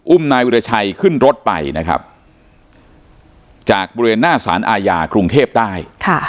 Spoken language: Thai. นายวิราชัยขึ้นรถไปนะครับจากบริเวณหน้าสารอาญากรุงเทพใต้